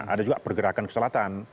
ada juga pergerakan ke selatan